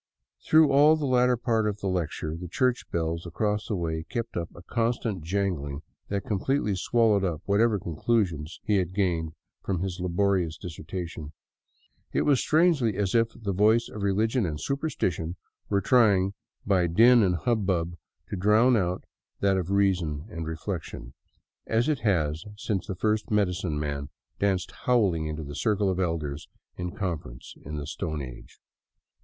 Through all the latter part of the lecture the church bells across the way kept up a constant jangling that completely swallowed up whatever conclusions he had gained from his laborious dissertation. It was strangely as if the voice of religion and superstition were trying by din and hubbub to drown out that of reason and reflection, as it has since the first medicine man danced howling into the circle of elders in conference in the Stone Age.